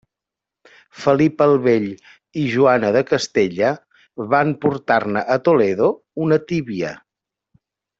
Felip el Bell i Joana de Castella van portar-ne a Toledo una tíbia.